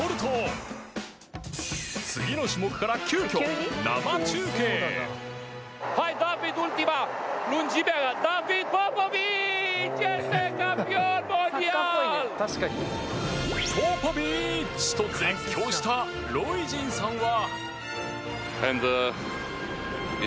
次の種目から「ポポビッチ！」と絶叫したロイジンさんは